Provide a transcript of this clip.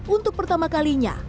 untuk pertama kalinya